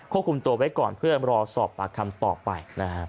ควบคุมตัวไว้ก่อนเพื่อรอสอบปากคำต่อไป